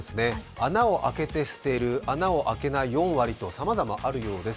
穴を開けて捨てる、穴を開けない４割とさまざまあるようです。